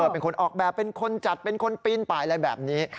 เป็นคนออกแบบเป็นคนจัดเป็นคนปีนป่ายอะไรแบบนี้